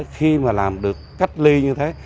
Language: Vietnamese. khi mà làm được cách ly như thế